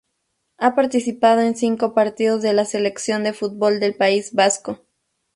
Ha participado en cinco partidos de la Selección de fútbol del País Vasco.